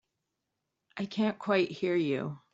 I can't quite hear you.